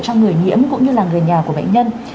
cho người nhiễm cũng như là người nhà của bệnh nhân